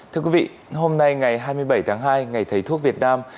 thưa quý vị hôm nay ngày hai mươi bảy tháng hai ngày thấy thuốc việt nam